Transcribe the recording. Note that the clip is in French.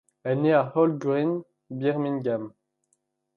Elle naît à Hall Green, Birmingham.